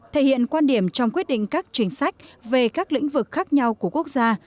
thể hiện quan điểm trong quyết định các chính sách về các lĩnh vực khác nhau của quốc gia